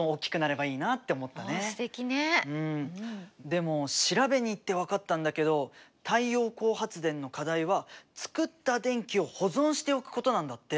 でも調べに行って分かったんだけど太陽光発電の課題はつくった電気を保存しておくことなんだって。